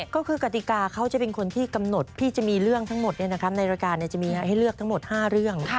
ก็คือกติกาเขาจะเป็นคนที่กำหนดพี่จะมีเรื่องทั้งหมดในรายการจะมีให้เลือกทั้งหมด๕เรื่อง